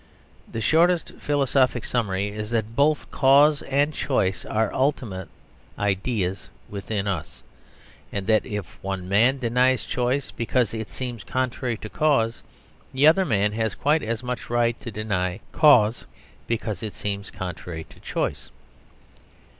The shortest philosophic summary is that both cause and choice are ultimate ideas within us, and that if one man denies choice because it seems contrary to cause, the other man has quite as much right to deny cause because it seems contrary to choice.